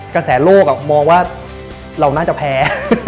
กระแสโลกมองว่าเราน่าจะแพ้